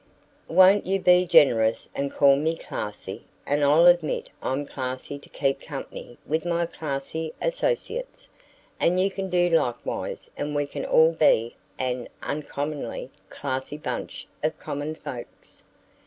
"Won't you be generous and call me classy, and I'll admit I'm classy to keep company with my classy associates, and you can do likewise and we can all be an uncommonly classy bunch of common folks."